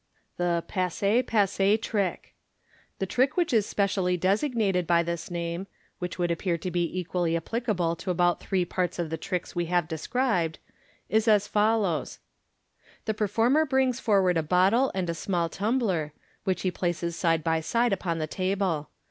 Thb " Passe Passe m Trick. — The trick which is specially designated by this name (which would appear to be equally appli* cable to about three parts of the tricks we have described) is as fol lows :— The performer brings forward a bottle and a small tumbler, which he places side by side upon the table.